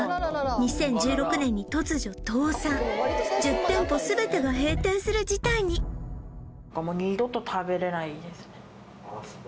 ２０１６年に突如倒産１０店舗全てが閉店する事態にあそうなんですね